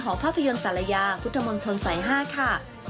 ภาพยนตร์สารยาพุทธมนตรสาย๕ค่ะ